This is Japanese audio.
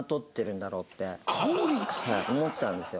思ったんですよ。